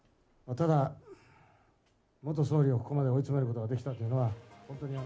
ただ、元総理をここまで追い詰めることができたというのは。